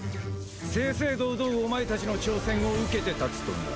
正々堂々お前たちの挑戦を受けてたつとな。